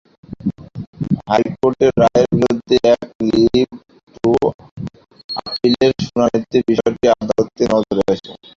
হাইকোর্টের রায়ের বিরুদ্ধে এক লিভ টু আপিলের শুনানিতে বিষয়টি আদালতের নজরে আসে।